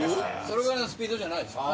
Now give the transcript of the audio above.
それぐらいのスピードじゃないでしょ。